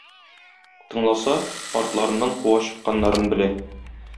Тыңласа, артларыннан куа чыкканнарын белә.